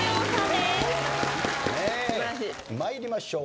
参りましょう。